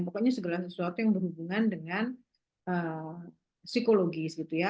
pokoknya segala sesuatu yang berhubungan dengan psikologis gitu ya